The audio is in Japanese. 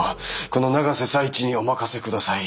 この永瀬財地にお任せください。